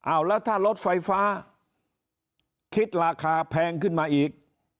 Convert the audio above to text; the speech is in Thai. เอาแล้วถ้ารถไฟฟ้าคิดราคาแพงขึ้นมาอีก